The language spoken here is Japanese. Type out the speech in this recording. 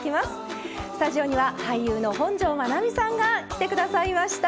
スタジオには俳優の本上まなみさんが来て下さいました。